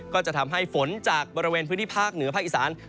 ก็จะทำให้ฝนจากบริเวณพื้นที่ภาคเหนือภาคอีสาน